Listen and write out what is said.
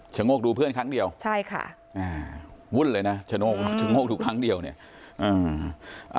โงกดูเพื่อนครั้งเดียวใช่ค่ะอ่าวุ่นเลยนะชะโงกชะโงกดูครั้งเดียวเนี่ยอ่า